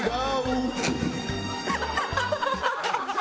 ハハハハ！